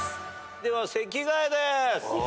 では席替えです。